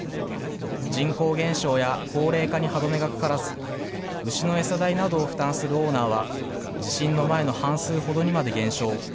人口減少や高齢化に歯止めがかからず、牛の餌代などを負担するオーナーは、地震の前の半数ほどにまで減少。